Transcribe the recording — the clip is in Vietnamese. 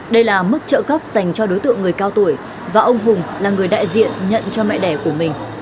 đây là mức trợ cấp dành cho đối tượng người cao tuổi và ông hùng là người đại diện nhận cho mẹ đẻ của mình